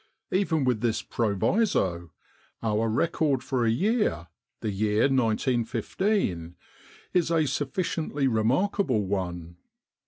Even with this proviso, our record for a year, the year 1915, is a sufficiently remarkable one.